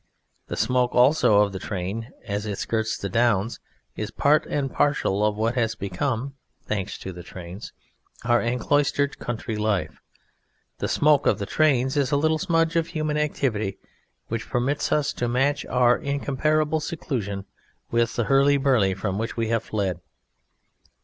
The smoke also of the train as it skirts the Downs is part and parcel of what has become (thanks to the trains) our encloistered country life; the smoke of the trains is a little smudge of human activity which permits us to match our incomparable seclusion with the hurly burly from which we have fled.